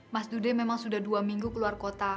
mas dude memang sudah dua minggu keluar kota